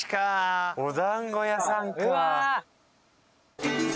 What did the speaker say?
おだんご屋さんか！